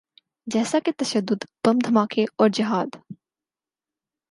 جیسا کہ تشدد، بم دھماکے اورجہاد۔